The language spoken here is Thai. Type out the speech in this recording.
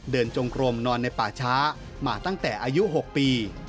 จงกรมนอนในป่าช้ามาตั้งแต่อายุ๖ปี